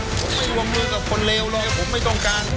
ผมไม่วงมือกับคนเลวเลยผมไม่ต้องการ